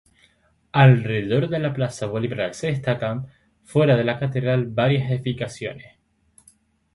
Alrededor de la plaza de Bolívar se destacan, fuera de la catedral, varias edificaciones.